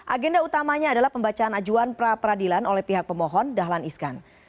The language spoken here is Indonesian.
agenda utamanya adalah pembacaan ajuan pra peradilan oleh pihak pemohon dahlan iskan